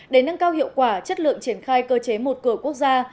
để nâng cao hiệu quả chất lượng triển khai cơ chế một cửa quốc gia